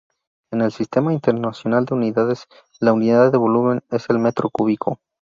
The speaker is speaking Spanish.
En el Sistema Internacional de Unidades la unidad de volumen es el metro cúbico.